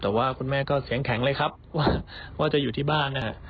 แต่ว่าคุณแม่ก็เสียงแข็งเลยครับว่าจะอยู่ที่บ้านนะฮะ